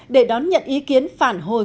để đón nhận ý kiến phản hồi